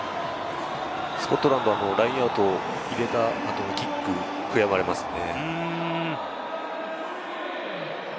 スコットランドはラインアウト入れた後のキックが悔やまれますね。